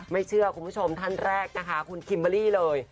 ไม่เชื่อคุณผู้ชมท่านแรกนะคะคุณคิมเบอร์รี่เลย